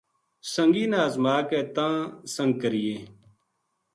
سنگی نا ازما کے تاں سنگ کرینے